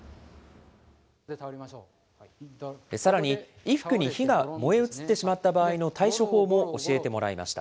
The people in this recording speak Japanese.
さらに衣服に火が燃え移ってしまった場合の対処法も教えてもらいました。